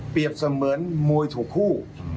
เปรียบเสมือนมวยถูกคู่